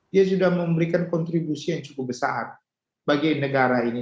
dia sudah memberikan kontribusi yang cukup besar bagi negara ini